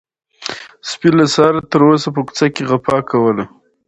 سپي له سهاره تر اوسه په کوڅه کې غپا کوله.